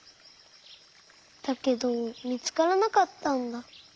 だけどみつからなかったんだ。